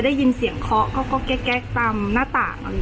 ได้ยินเสียงเคาะเขาก็แก๊กแก๊กตามหน้าตาหรือไงอย่าง